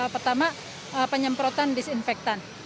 pertama penyemprotan disinfektan